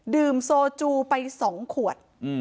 ดื่มโซจูไปสองขวด